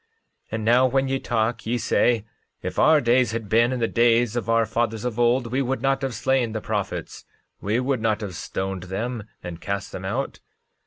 13:25 And now when ye talk, ye say: If our days had been in the days of our fathers of old, we would not have slain the prophets; we would not have stoned them, and cast them out.